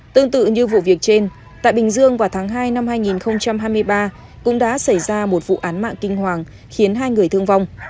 tương tự như vụ việc trên tại bình dương vào tháng hai năm hai nghìn hai mươi ba cũng đã xảy ra một vụ án mạng kinh hoàng khiến hai người thương vong